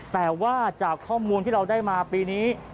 แต่ว่าจากข้อมูลที่เราได้มาปีนี้